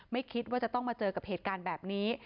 ไม่คิดว่าจะต้องมาเจอกับเหตุการณ์แบบนี้